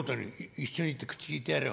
一緒に行って口利いてやるよ